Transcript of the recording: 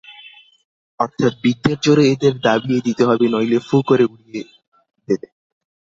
অর্থাৎ বিদ্যের জোরে এদের দাবিয়ে দিতে হবে, নইলে ফু করে উড়িয়ে দেবে।